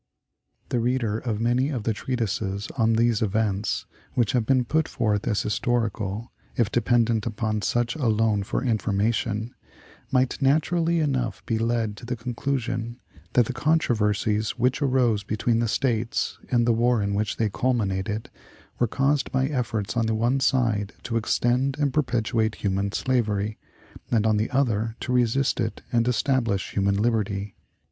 The reader of many of the treatises on these events, which have been put forth as historical, if dependent upon such alone for information, might naturally enough be led to the conclusion that the controversies which arose between the States, and the war in which they culminated, were caused by efforts on the one side to extend and perpetuate human slavery, and on the other to resist it and establish human liberty.